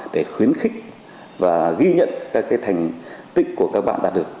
để khuyến khích và ghi nhận các thành tích của các bạn đạt được